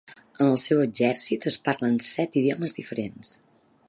En el seu exèrcit es parlen set idiomes diferents.